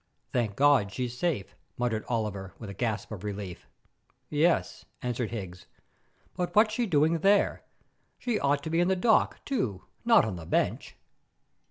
"Thank God, she's safe!" muttered Oliver with a gasp of relief. "Yes," answered Higgs, "but what's she doing there? She ought to be in the dock, too, not on the Bench."